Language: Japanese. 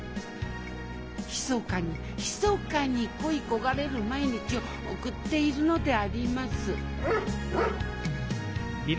ひそかにひそかに恋焦がれる毎日を送っているのであります